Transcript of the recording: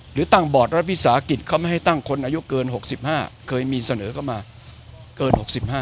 หรือตั้งบอร์ดรัฐวิสาหกิจเขาไม่ให้ตั้งคนอายุเกิน๖๕เคยมีเสนอเข้ามาเกิน๖๕